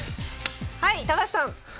はい高橋さん！